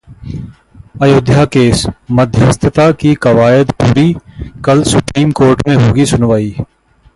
Ayodhya case: मध्यस्थता की कवायद पूरी, कल सुप्रीम कोर्ट में होगी सुनवाई